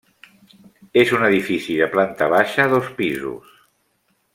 És un edifici de planta baixa, dos pisos.